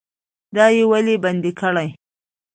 دا یې ولې بندي کړي؟